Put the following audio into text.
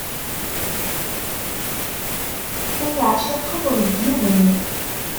Ur teɛciqeḍ deg yiwen.